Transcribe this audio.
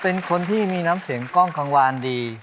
เป็นคนที่มีน้ำเสียงกล้องคังวานดี